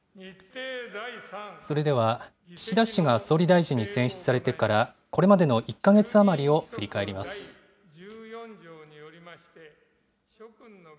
それでは岸田氏が総理大臣に選出されてからこれまでの１か月余りを振り返ります。